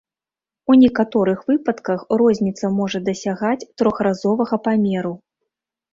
У некаторых выпадках розніца можа дасягаць трохразовага памеру.